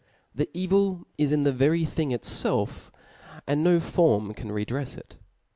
The evil is in the very thing itfelf ; and no form can redreft it.